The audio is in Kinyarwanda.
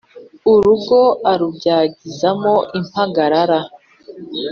Urugo arubyagizamo impagarara